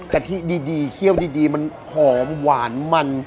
กะทิดีเคี่ยวดีมันหอมหวานมัน